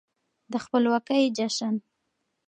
د خپلواکۍ جشن